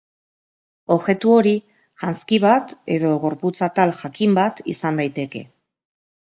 Objektu hori janzki bat edo gorputz-atal jakin bat izan daiteke.